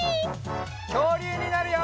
きょうりゅうになるよ！